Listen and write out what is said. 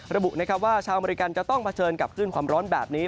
ระบุนะครับว่าชาวอเมริกันจะต้องเผชิญกับคลื่นความร้อนแบบนี้